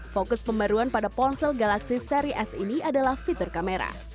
fokus pembaruan pada ponsel galaxy seri s ini adalah fitur kamera